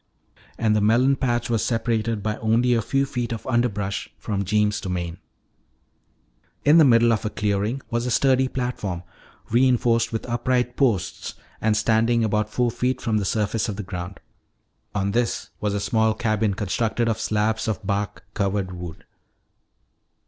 And the melon patch was separated by only a few feet of underbrush from Jeems' domain. In the middle of a clearing was a sturdy platform, reinforced with upright posts and standing about four feet from the surface of the ground. On this was a small cabin constructed of slabs of bark covered wood.